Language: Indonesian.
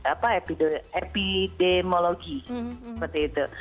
apa epidemiologi seperti itu